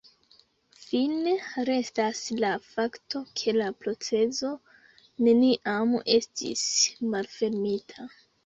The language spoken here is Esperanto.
Fine restas la fakto ke la procezo neniam estis malfermita.